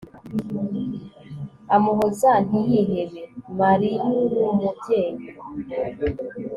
amuhoza ntiyihebe mariy'ur'umubyeyi